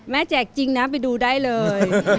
แจกจริงนะไปดูได้เลย